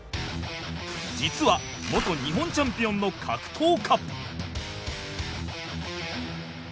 実は元日本チャンピオンの格闘家。